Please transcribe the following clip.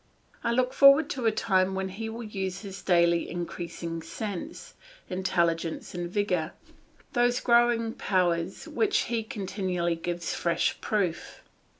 I look forward to a time when he will use his daily increasing sense, intelligence and vigour, those growing powers of which he continually gives fresh proof.